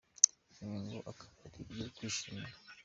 Ibi ngo akaba ari ibyo kwishimira.